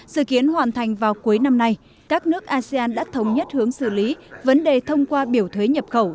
sự kiến hoàn thành vào cuối năm nay các nước asean đã thống nhất hướng xử lý vấn đề thông qua biểu thuế nhập khẩu